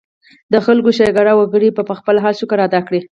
د خلکو ښېګړه وکړي ، پۀ خپل حال شکر ادا کړي